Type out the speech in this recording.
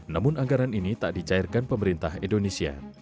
namun anggaran ini tak dicairkan pemerintah indonesia